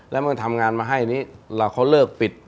แล้วเมื่อทำงานมาให้นี้แล้วเขาเลิกปิด